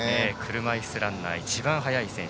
車いすランナー一番速い選手。